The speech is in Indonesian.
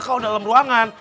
kalau dalam ruangan